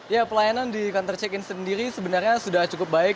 ya pelayanan di kantor check in sendiri sebenarnya sudah cukup baik